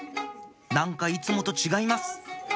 何かいつもと違います